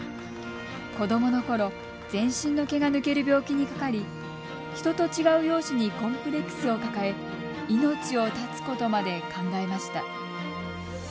子どものころ全身の毛が抜ける病気にかかり人と違う容姿にコンプレックスを抱え命を絶つことまで考えました。